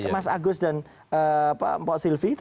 mas agus dan pak sylvi